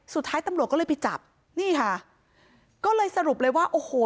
สุดท้ายตำรวจก็เลยไปจับนี่ค่ะก็เลยสรุปเลยว่าโอ้โห